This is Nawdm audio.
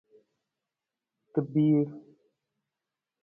Tabiir.